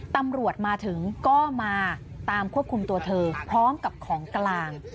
ตำรวจมาถึงก็มาตามควบคุมตัวเธอพร้อมกับของกลาง